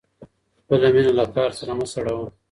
خپله مینه له کار سره مه سړوه.